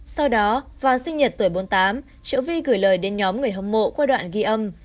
sau đó vào sinh nhật tuổi bốn mươi tám triệu vi gửi lời đến nhóm người hâm mộ qua đoạn ghi âm